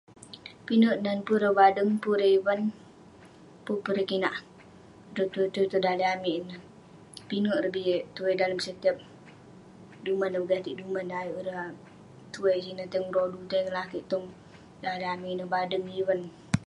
Pinek nan pun ireh badeng pun ireh ivan pun peh ireh kinak tuai-tuai tong daleh amik ineh pinek ireg bie tuai dalem setiap duman ayuk ireh tuai sineh ayuk tai ngelakeik lak daleh amik lak badeng yan neh ivan